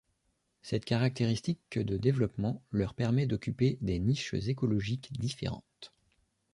Cette caractéristique de développement leur permet d'occuper des niches écologiques différentes.